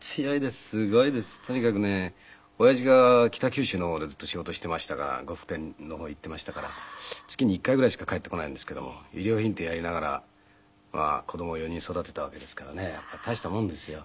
とにかくね親父が北九州の方でずっと仕事していましたから呉服店の方行っていましたから月に１回ぐらいしか帰ってこないんですけども衣料品店やりながら子供を４人育てたわけですからねやっぱり大したもんですよ。